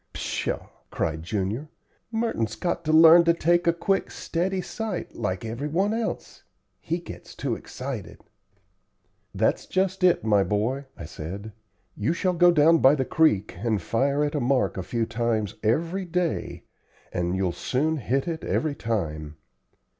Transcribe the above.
"Pshaw!" cried Junior; "Merton's got to learn to take a quick steady sight, like every one else. He gets too excited." "That's just it, my boy," I said. "You shall go down by the creek and fire at a mark a few times every day, and you'll soon hit it every time.